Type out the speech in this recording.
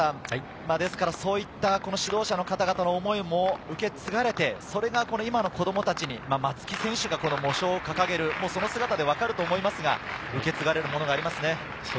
そういった指導者の方々の思いも受け継がれて、それが今の子供たちに松木選手が喪章を掲げる、その姿で分かると思いますが、受け継がれるものがありますね。